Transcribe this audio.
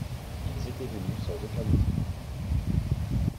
Ils étaient venus sans aucun outil.